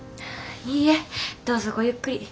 いいえどうぞごゆっくり。